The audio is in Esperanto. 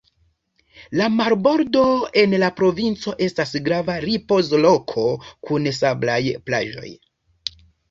La marbordo en la provinco estas grava ripozloko kun sablaj plaĝoj.